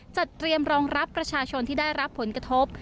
เตรียมรองรับประชาชนที่ได้รับผลกระทบ